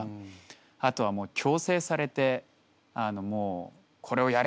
あとはもう強制されてもう「これをやれ！」